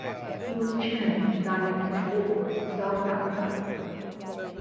He was Chairman of the Diamond Control Board in South Africa.